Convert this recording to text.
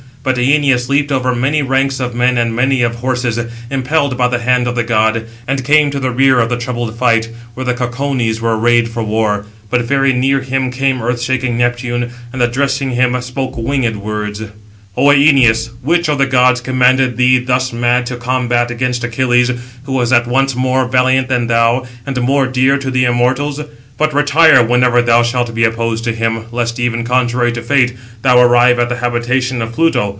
But Æneas leaped over many ranks of men and many of horses, impelled by the hand of the god, and came to the rear of the troubled fight, where the Caucones were arrayed for war. But very near him came earth shaking Neptune, and addressing him, spoke winged words: "O Æneas, which of the gods commanded thee, thus mad, to combat against Achilles, who is at once more valiant than thou, and more dear to the immortals? But retire whenever thou shalt be opposed to him, lest, even contrary to fate, thou arrive at the habitation of Pluto.